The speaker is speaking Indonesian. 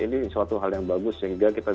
ini suatu hal yang bagus sehingga kita